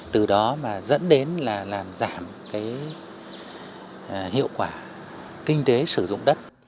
từ đó mà dẫn đến là làm giảm cái hiệu quả kinh tế sử dụng đất